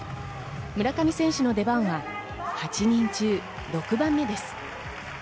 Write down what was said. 村上選手の出番は８人中６番目です。